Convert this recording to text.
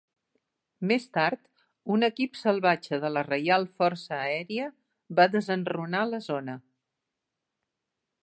Més tard, un equip salvatge de la Reial Força Aèria va desenrunar la zona.